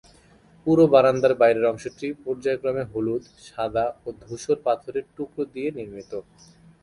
পুরো বারান্দার বাইরের অংশটি পর্যায়ক্রমে হলুদ, সাদা ও ধূসর পাথরের টুকরো দিয়ে নির্মিত।